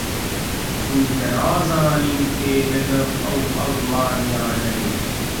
چونکە نازانین کێ لەگەڵ ئەو ئاڵمانییانە دێ